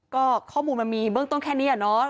ก็ข้อมูลมันมีเบื้องต้นแค่นี้เนาะ